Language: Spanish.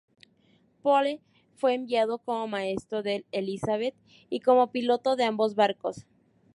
Poole fue enviado como maestro del "Elizabeth" y como piloto de ambos barcos.